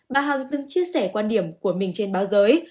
bà hằng từng chia sẻ quan điểm của mình trên báo giới